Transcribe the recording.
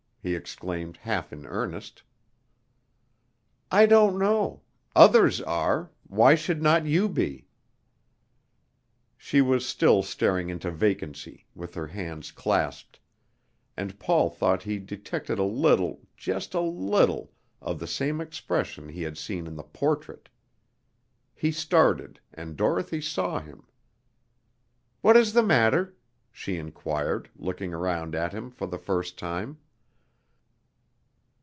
he exclaimed half in earnest. "I don't know; others are; why should not you be?" She was still staring into vacancy, with her hands clasped, and Paul thought he detected a little, just a little, of the same expression he had seen in the portrait. He started, and Dorothy saw him. "What is the matter?" she inquired, looking around at him for the first time.